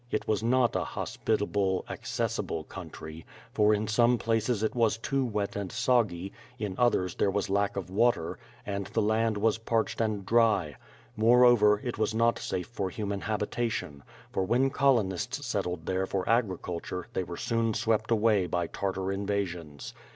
It was not a . hospitable, ac cessible country, for in some places it was too wet and soggy, in others there was lack of water, and the land wa3 parched and dry; moreover, it was not safe for human habitation, for when colonists settled there for agriculture they were soon swept away by Tartar invasions.